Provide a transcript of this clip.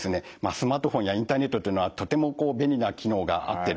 スマートフォンやインターネットっていうのはとても便利な機能があってですね